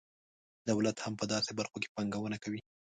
دولت هم په داسې برخو کې پانګونه کوي.